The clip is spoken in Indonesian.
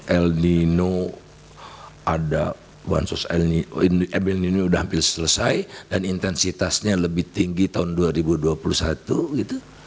el nino ada bansos ini sudah hampir selesai dan intensitasnya lebih tinggi tahun dua ribu dua puluh satu gitu